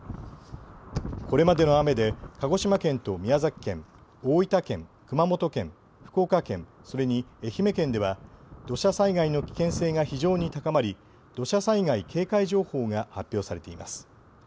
これまでの雨で鹿児島県と宮崎県、大分県、熊本県、福岡県、それに愛媛県では土砂災害の危険性が非常に高まり土砂災害警戒情報が発表されています。